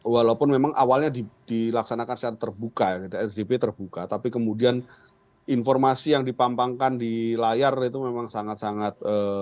walaupun memang awalnya dilaksanakan secara terbuka rdp terbuka tapi kemudian informasi yang dipampangkan di layar itu memang sangat sangat